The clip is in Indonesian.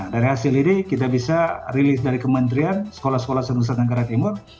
dari hasil ini kita bisa rilis dari kementerian sekolah sekolah senusa negara timur